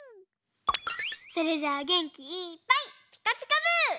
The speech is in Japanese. それじゃあげんきいっぱい「ピカピカブ！」。